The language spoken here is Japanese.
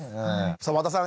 さあ和田さん